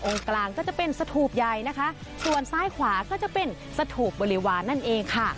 กลางก็จะเป็นสถูปใหญ่นะคะส่วนซ้ายขวาก็จะเป็นสถูปบริวารนั่นเองค่ะ